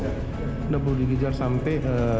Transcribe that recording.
tidak perlu dikejar sampai